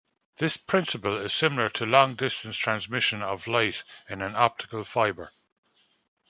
This principle is similar to long distance transmission of light in an optical fibre.